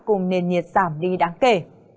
cùng nền nhiệt giảm đi đáng kể